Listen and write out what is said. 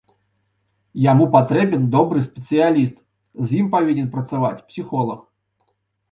Яму патрэбен добры спецыяліст, з ім павінен працаваць псіхолаг.